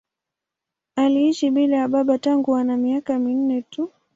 Aliishi bila ya baba tangu ana miaka minne tu.